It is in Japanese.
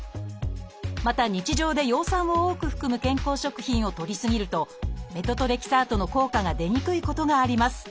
また日常で葉酸を多く含む健康食品をとり過ぎるとメトトレキサートの効果が出にくいことがあります。